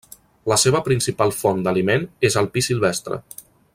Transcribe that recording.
La seva principal font d'aliment és el pi silvestre.